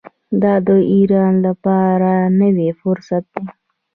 دا د ایران لپاره لوی فرصت دی.